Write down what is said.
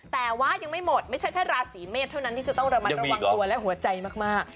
แต่ว่ายังไม่หมดไม่ใช่แค่ราศีเมษเท่านั้นที่จะต้องระมัดระวังตัวและหัวใจมาก